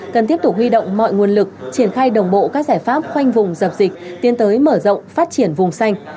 cần tiếp tục huy động mọi nguồn lực triển khai đồng bộ các giải pháp khoanh vùng dập dịch tiến tới mở rộng phát triển vùng xanh